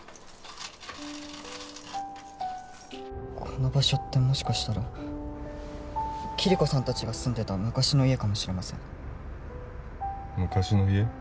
この場所ってもしかしたらキリコさん達が住んでた昔の家かもしれません昔の家？